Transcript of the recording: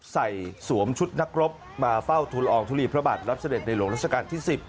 สวมชุดนักรบมาเฝ้าทุลอองทุลีพระบาทรับเสด็จในหลวงราชการที่๑๐